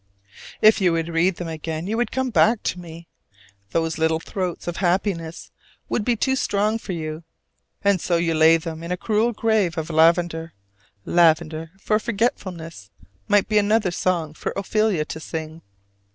If you would read them again, you would come back to me. Those little throats of happiness would be too strong for you. And so you lay them in a cruel grave of lavender, "Lavender for forgetfulness" might be another song for Ophelia to sing.